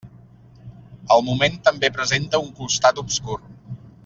El moment també presenta un costat obscur.